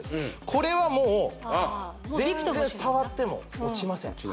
これはもう全然触っても落ちません